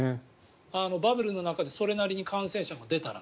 バブルの中でそれなりに感染者が出たら。